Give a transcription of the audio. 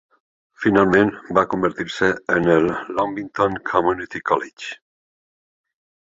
Finalment va convertir-se en el Longbenton Community College.